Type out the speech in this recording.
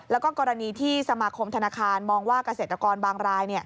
แล้วก็กรณีที่สมาคมธนาคารมองว่าเกษตรกรบางราย